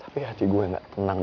tapi hati gue gak tenang